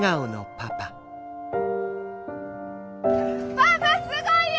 パパすごいよ！